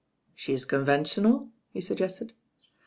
"She Is conventional?" he suggested.